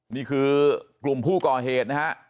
นี่คือกลุ่มผู้ก่อเหตุนะฮะ